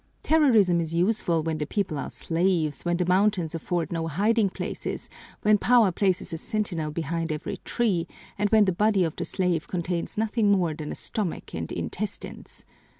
Terrorism is useful when the people are slaves, when the mountains afford no hiding places, when power places a sentinel behind every tree, and when the body of the slave contains nothing more than a stomach and intestines.